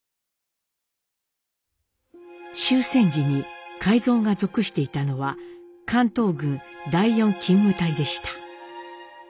終戦時に海蔵が属していたのは関東軍第四勤務隊でした。